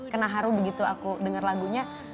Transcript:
kena haru begitu aku denger lagunya